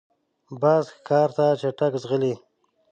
باز ښکار ته چټک ځغلي